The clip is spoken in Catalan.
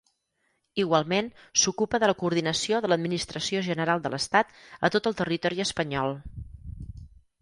Igualment, s'ocupa de la coordinació de l'Administració General de l'Estat a tot el territori espanyol.